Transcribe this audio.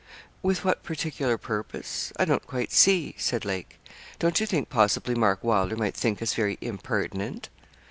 'With what particular purpose, I don't quite see,' said Lake. 'Don't you think possibly Mark Wylder might think us very impertinent?'